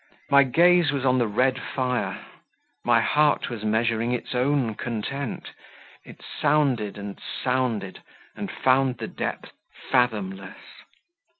My gaze was on the red fire; my heart was measuring its own content; it sounded and sounded, and found the depth fathomless.